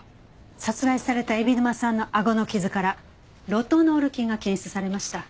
殺害された海老沼さんのあごの傷からロトノール菌が検出されました。